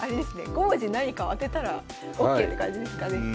５文字何かを当てたらＯＫって感じですかね。